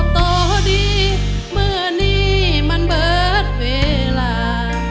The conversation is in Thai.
ต่อดีเมื่อนี้มันเบิดเวลา